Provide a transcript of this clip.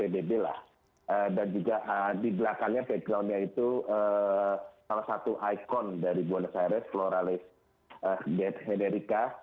dan juga di belakangnya backgroundnya itu salah satu ikon dari buenos aires floralis gethederica